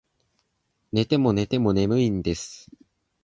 寝ても寝ても眠いんです